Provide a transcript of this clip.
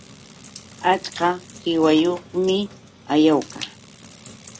Achka qiwayuqmi Ayawka